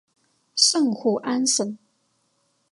圣胡安省。